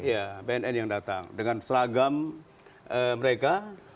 ya bnn yang datang dengan seragam mereka